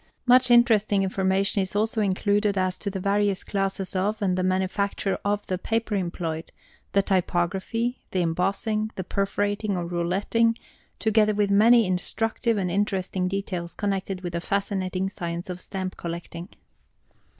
Much interesting information is also included as to the various classes of and the manufacture of the paper employed, the typography, the embossing, the perforating or rouletting, together with many instructive and interesting details connected with the fascinating science of Stamp collecting.